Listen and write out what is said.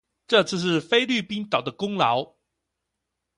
這次是菲律賓島的功勞